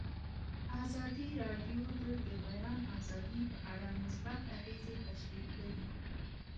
ازادي راډیو د د بیان آزادي په اړه مثبت اغېزې تشریح کړي.